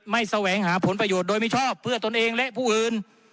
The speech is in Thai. แสวงหาผลประโยชน์โดยไม่ชอบเพื่อตนเองและผู้อื่น